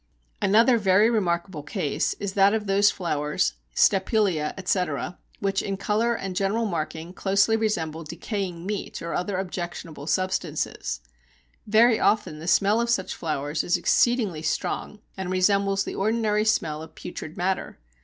Another very remarkable case is that of those flowers (Stapelia, etc.), which in colour and general marking closely resemble decaying meat or other objectionable substances. Very often the smell of such flowers is exceedingly strong, and resembles the ordinary smell of putrid matter.